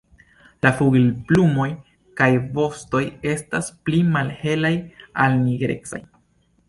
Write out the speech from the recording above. La flugilplumoj kaj vostoj estas pli malhelaj al nigrecaj.